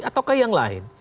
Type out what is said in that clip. atau yang lain